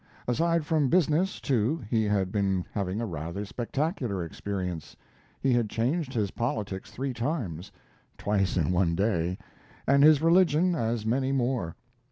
Aside from business, too, he had been having a rather spectacular experience. He had changed his politics three times (twice in one day), and his religion as many more.